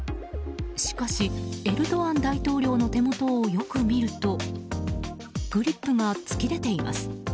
しかし、エルドアン大統領の手元をよく見るとグリップが突き出ています。